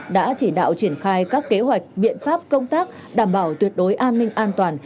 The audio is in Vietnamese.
đã chỉ đạo triển khai các kế hoạch biện pháp công tác đảm bảo tuyệt đối an ninh an toàn